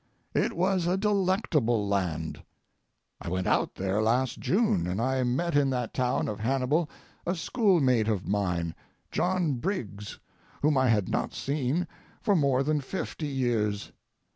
It was a delectable land. I went out there last June, and I met in that town of Hannibal a schoolmate of mine, John Briggs, whom I had not seen for more than fifty years.